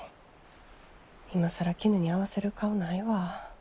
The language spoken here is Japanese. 今更キヌに合わせる顔ないわ。